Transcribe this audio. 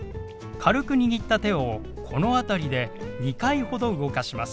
軽く握った手をこの辺りで２回ほど動かします。